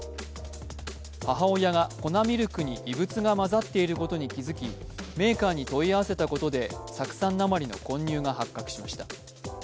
母親が粉ミルクに異物が混ざっていることに気づきメーカーに問い合わせたことで酢酸鉛の混入が発覚しました。